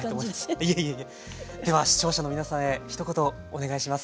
では視聴者の皆さんへひと言お願いします。